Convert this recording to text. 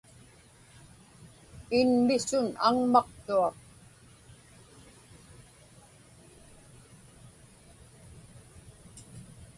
Inmisun aŋmaqtuaq.